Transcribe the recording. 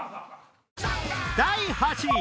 第８位！